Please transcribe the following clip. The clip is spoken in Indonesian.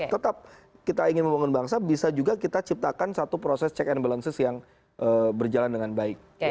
tetap kita ingin membangun bangsa bisa juga kita ciptakan satu proses check and balances yang berjalan dengan baik